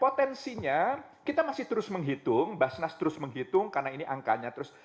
potensinya kita masih terus menghitung basnas terus menghitung karena ini angkanya terus